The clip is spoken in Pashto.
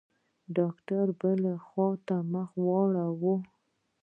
ډاکتر بلې خوا ته مخ واړاوه.